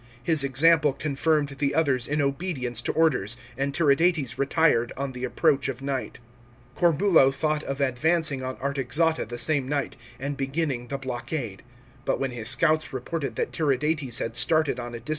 His example confirmed the others in obedience to orders, and Tiridates retired on the approach of night. Corbulo thought of advancing on Artaxata the same night, and beginning the blockade ; but when his scouts reported that Tiridates had started on a distant march— * III.